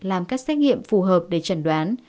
làm các xét nghiệm phù hợp để trần đoán